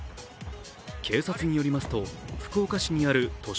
警察によりますと福岡市にある都市